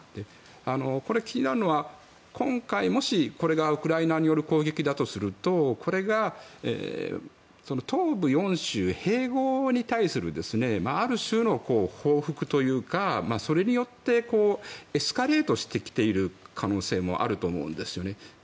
これ、気になるのは今回もし、これがウクライナによる攻撃だとするとこれが東部４州併合に対するある種の報復というかそれによってエスカレートしてきている可能性もあると思うんですよね。